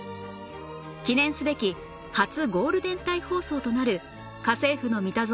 記念すべき初ゴールデン帯放送となる『家政夫のミタゾノ』